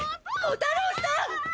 弧太郎さん！